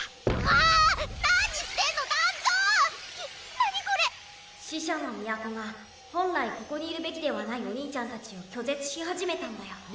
何これ⁉死者の都が本来ここにいるべきではないおにいちゃんたちを拒絶しはじめたんだよ。